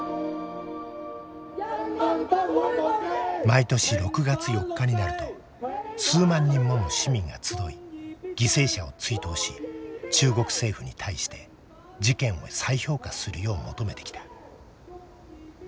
毎年６月４日になると数万人もの市民が集い犠牲者を追悼し中国政府に対して事件を再評価するよう求めてきた。